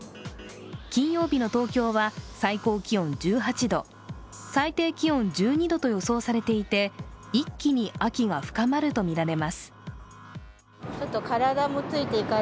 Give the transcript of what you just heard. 金曜日の東京は、最高気温１８度、最低気温１２度と予想されていて一気に秋が深まるとみられます。